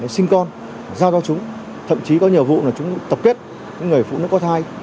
sinh con giao cho chúng thậm chí có nhiều vụ là chúng tập kết những người phụ nữ có thai